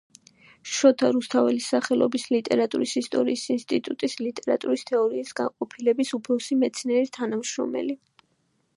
შოთა რუსთაველის სახელობის ლიტერატურის ისტორიის ინსტიტუტის ლიტერატურის თეორიის განყოფილების უფროსი მეცნიერი თანამშრომელი.